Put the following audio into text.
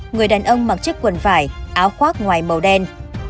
người đàn ông mặc chiếc quần vải áo khoác ngoài màu đen